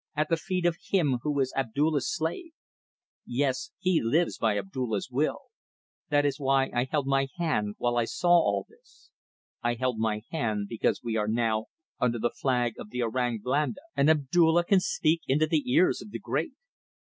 At the feet of him who is Abdulla's slave. Yes, he lives by Abdulla's will. That is why I held my hand while I saw all this. I held my hand because we are now under the flag of the Orang Blanda, and Abdulla can speak into the ears of the great.